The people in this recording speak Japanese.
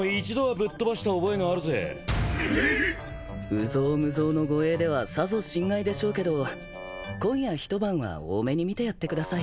有象無象の護衛ではさぞ心外でしょうけど今夜一晩は大目に見てやってください。